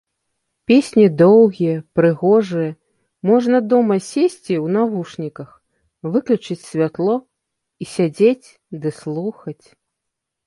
Песні доўгія, прыгожыя, можна дома сесці ў навушніках, выключыць святло і сядзець ды слухаць.